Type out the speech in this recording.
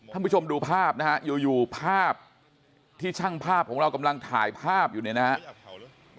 ผู้ชมดูภาพนะฮะอยู่ภาพที่ช่างภาพของเรากำลังถ่ายภาพอยู่เนี่ยนะครับ